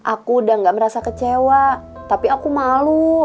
aku udah gak merasa kecewa tapi aku malu